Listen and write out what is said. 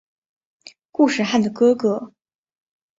固始汗的哥哥。